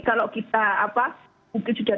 kalau kita mungkin sudah